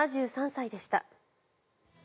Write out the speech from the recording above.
７３歳でした。